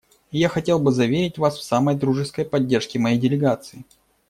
И я хотел бы заверить вас в самой дружеской поддержке моей делегации.